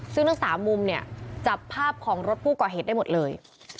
ซึ่งทั้ง๓มุมเนี่ยจับภาพของรถผู้ก่อเหตุได้หมดเลย